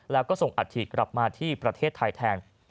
แล้วก็ส่งอัฐิกลับมาที่ประเทศไทยแทน